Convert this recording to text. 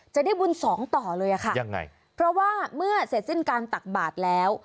จะได้บุญสองต่อเลยอะค่ะยังไงเพราะว่าเมื่อเสร็จสิ้นการตักบาทแล้ว